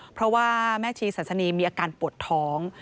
เพราะว่าแม่ชีสันสนีมีอาการปวดท้อง